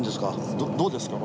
どうですか？